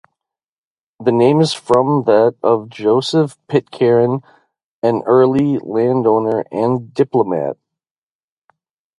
The name is from that of Joseph Pitcairn, an early landowner and diplomat.